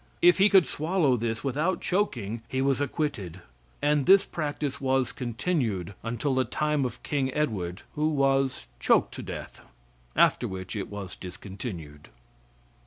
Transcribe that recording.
If he could swallow this without choking he was acquitted. And this practice was continued until the time of King Edward, who was choked to death; after which it was discontinued.